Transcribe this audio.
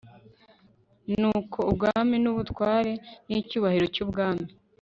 nuko ubwami n ubutware n icyubahiro cy ubwami